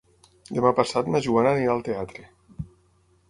Demà passat na Joana anirà al teatre.